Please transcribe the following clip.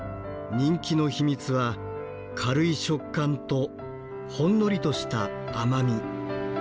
人気の秘密は軽い食感とほんのりとした甘み。